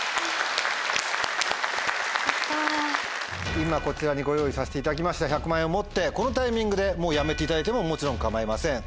今こちらにご用意させていただきました１００万円を持ってこのタイミングでもうやめていただいてももちろん構いません。